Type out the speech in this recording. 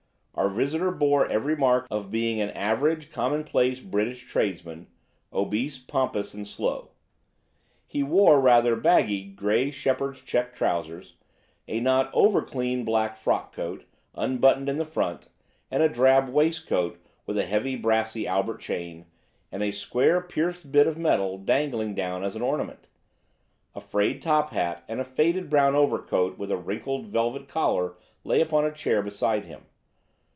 Our visitor bore every mark of being an average commonplace British tradesman, obese, pompous, and slow. He wore rather baggy grey shepherd's check trousers, a not over clean black frock coat, unbuttoned in the front, and a drab waistcoat with a heavy brassy Albert chain, and a square pierced bit of metal dangling down as an ornament. A frayed top hat and a faded brown overcoat with a wrinkled velvet collar lay upon a chair beside him.